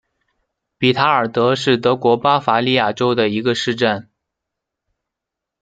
比塔尔德是德国巴伐利亚州的一个市镇。